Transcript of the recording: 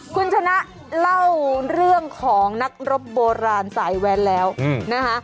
คุณชนะเล่าเรื่องของนักรบโบราณสายแว้นแล้วนะคะ